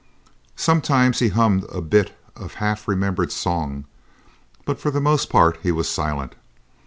Sometimes he hummed a bit of half remembered song, but for the most part he was silent.